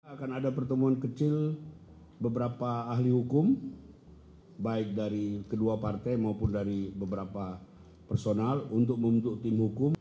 akan ada pertemuan kecil beberapa ahli hukum baik dari kedua partai maupun dari beberapa personal untuk membentuk tim hukum